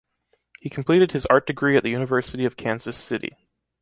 He completed his art degree at the university of Kansas City.